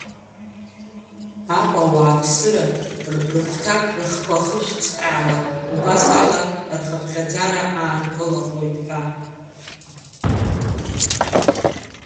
Аҟәа ауааԥсыра рыхәҭак рыхқәа рхышәцҟьаала, убыс ала рхыԥхьаӡара аанкылахоит ҳәа.